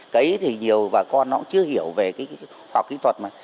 cái ý thì nhiều và con nó chưa hiểu về cái hoạt kỹ thuật mà